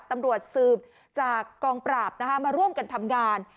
ตำรวจสืบจากกองปราบมาร่วมกันทำงาน